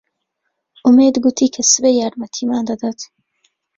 ئومێد گوتی کە سبەی یارمەتیمان دەدات.